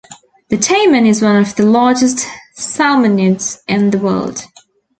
The taimen is one of the largest salmonids in the world.